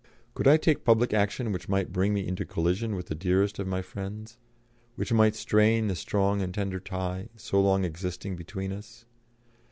Could I take public action which might bring me into collision with the dearest of my friends, which might strain the strong and tender tie so long existing between us?